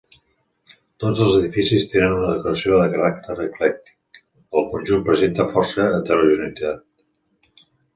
Tots els edificis tenen una decoració de caràcter eclèctic, el conjunt presenta força heterogeneïtat.